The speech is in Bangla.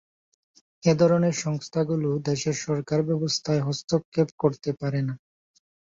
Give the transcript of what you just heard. এ ধরনের সংস্থাগুলো দেশের সরকার ব্যবস্থায় হস্তক্ষেপ করতে পারে না।